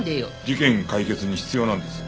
事件解決に必要なんです。